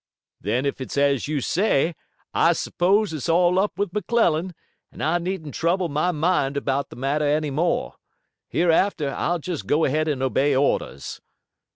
"Then if it's as you say I suppose it's all up with McClellan, and I needn't trouble my mind about the matter any more. Hereafter I'll just go ahead and obey orders."